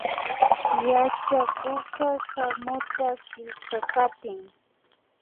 Yachakukka kamuta killkakatin